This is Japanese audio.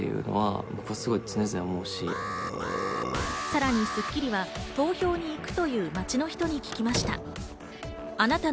さらに『スッキリ』は投票に行くという街の人に聞きました。